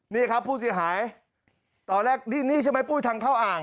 นี่ครับผู้เสียหายตอนแรกนี่ใช่ไหมปุ้ยทางเข้าอ่าง